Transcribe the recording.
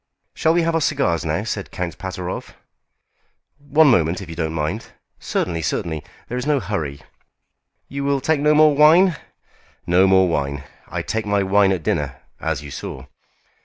"Shall we have our cigars now?" said Count Pateroff. "One moment, if you don't mind." "Certainly, certainly. There is no hurry." "You will take no more wine?" "No more wine. I take my wine at dinner, as you saw."